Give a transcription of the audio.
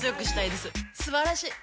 すばらしい！